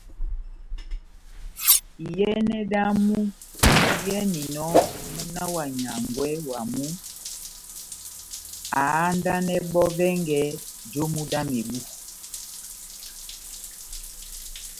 Iyɛnɛ dámu diyɛninɔmúna wa nyángwɛ wamu ahandanɛ bɔ́ vɛngɛ jomu dá mebu ,